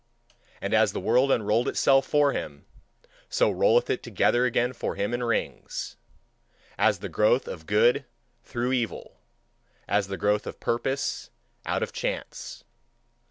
And as the world unrolled itself for him, so rolleth it together again for him in rings, as the growth of good through evil, as the growth of purpose out of chance.